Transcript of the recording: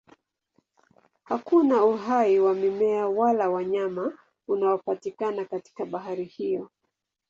Hakuna uhai wa mimea wala wanyama unaopatikana katika bahari hiyo.